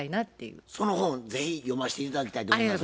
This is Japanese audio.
その本是非読ませて頂きたいと思います。